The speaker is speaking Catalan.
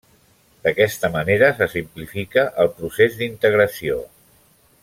D’aquesta manera se simplifica el procés d’integració.